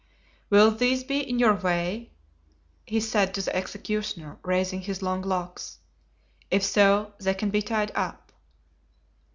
"Will these be in your way?" he said to the executioner, raising his long locks; "if so, they can be tied up."